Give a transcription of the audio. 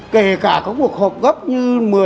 kể cả có cuộc họp gấp như